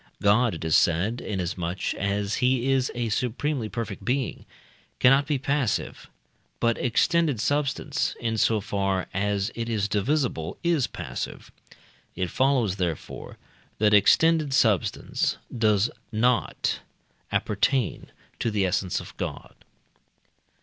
God, it is said, inasmuch as he is a supremely perfect being, cannot be passive; but extended substance, insofar as it is divisible, is passive. It follows, therefore, that extended substance does not appertain to the essence of God.